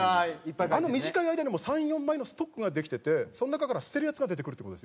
あの短い間にもう３４枚のストックができててその中から捨てるやつが出てくるって事ですよね？